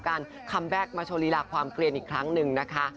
คัมแบ็คมาโชว์ลีลาความเกลียนอีกครั้งหนึ่งนะคะ